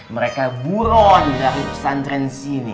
mereka buron dari pesantren sini